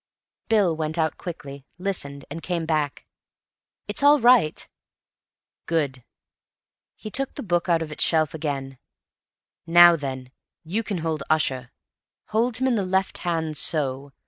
Bill went out quickly, listened, and came back. "It's all right." "Good." He took the book out of its shelf again. "Now then, you can hold Ussher. Hold him in the left hand—so.